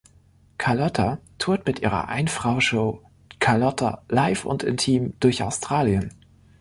Carlotta tourt mit ihrer Ein-Frau-Show „Carlotta: live und intim“ durch Australien.